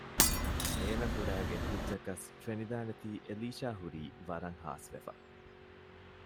އޭނަފުރައިގެ ކުއްޖަކަސް ފެނިދާނެތީ އެލީޝާ ހުރީ ވަރަށް ހާސްވެފަ